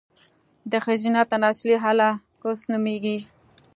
د ښځينه تناسلي اله، کوس نوميږي